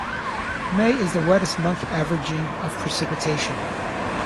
May is the wettest month, averaging of precipitation.